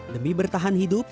demi bertahan hidup